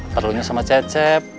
perlunya sama cecep